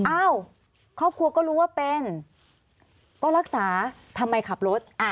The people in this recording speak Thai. อ้าวครอบครัวก็รู้ว่าเป็นก็รักษาทำไมขับรถ